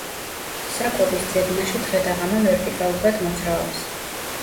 საკვების ძებნაში დღე და ღამე ვერტიკალურად მოძრაობს.